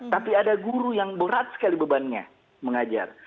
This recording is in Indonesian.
tapi ada guru yang berat sekali bebannya mengajar